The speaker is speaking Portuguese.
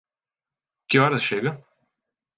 Que horas chega?